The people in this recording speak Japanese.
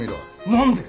何で？